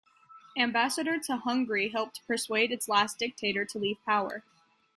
Ambassador to Hungary helped persuade its last dictator to leave power.